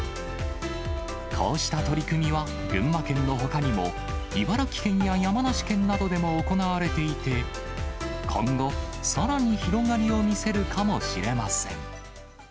こうした取り組みは、群馬県のほかにも、茨城県や山梨県などでも行われていて、今後、さらに広がりを見せるかもしれません。